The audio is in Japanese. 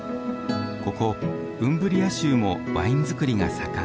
ここウンブリア州もワイン造りが盛ん。